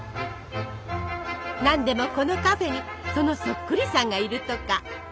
何でもこのカフェにそのそっくりさんがいるとか。